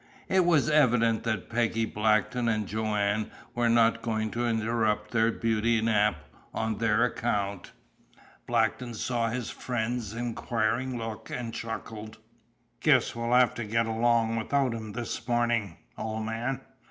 It was evident that Peggy Blackton and Joanne were not going to interrupt their beauty nap on their account. Blackton saw his friend's inquiring look, and chuckled. "Guess we'll have to get along without 'em this morning, old man.